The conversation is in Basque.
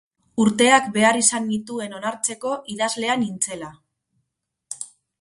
Urteak behar izan nituen onartzeko idazlea nintzela.